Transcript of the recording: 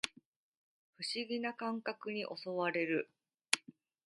不思議な感覚に襲われる